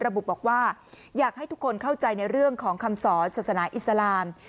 ระบุบอกว่าอยากให้ทุกคนเข้าใจในเรื่องของคำสอนศาสนาอิสลาม